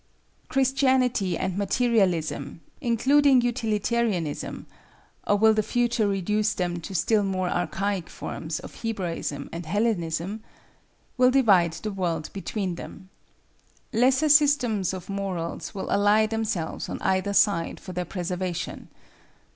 Christianity and Materialism (including Utilitarianism)—or will the future reduce them to still more archaic forms of Hebraism and Hellenism?—will divide the world between them. Lesser systems of morals will ally themselves on either side for their preservation.